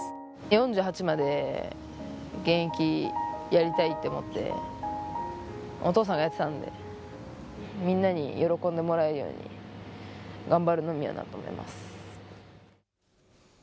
４８まで現役やりたいって思って、お父さんがやってたんで、みんなに喜んでもらえるように頑張るのみやなと思います。